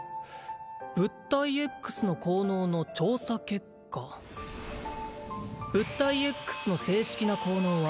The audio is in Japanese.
「物体Ｘの効能の調査結果」「物体Ｘの正式な効能は」